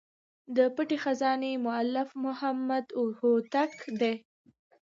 د پټي خزانې مؤلف محمد هوتک دﺉ.